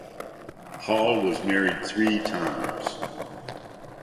Hall was married three times.